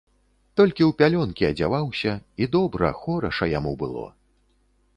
Толькі ў пялёнкі адзяваўся, і добра, хораша яму было.